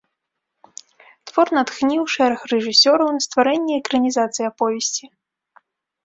Твор натхніў шэраг рэжысёраў на стварэнне экранізацый аповесці.